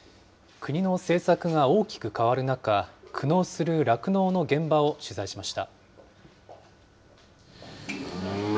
国の政策が大きく変わる中、苦悩する酪農の現場を取材しました。